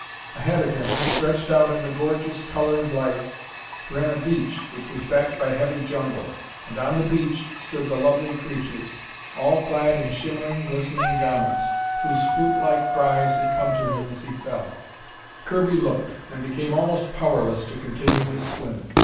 Ahead of him, stretched out in the gorgeous, colored light, ran a beach which was backed by heavy jungle. And on the beach stood the lovely creatures, all clad in shimmering, glistening garments, whose flutelike cries had come to him as he fell. Kirby looked, and became almost powerless to continue his swim.